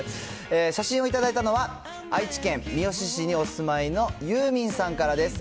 写真を頂いたのは愛知県みよし市にお住まいのゆーみんさんからです。